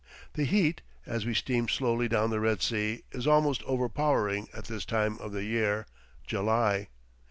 The heat, as we steam slowly down the Red Sea, is almost overpowering at this time of the year, July.